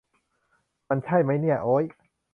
มันใช่มั๊ยเนี่ย โอ้ย